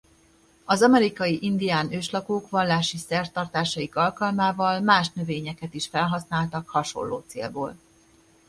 Az amerikai indián őslakók vallási szertartásaik alkalmával más növényeket is felhasználtak hasonló célból.